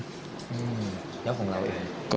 แล้วของเราอีก